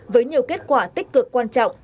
với nhiều kết quả tích cực quan trọng